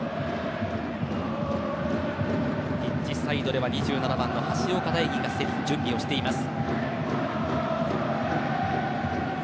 ピッチサイドでは、２７番橋岡大樹がすでに準備しています。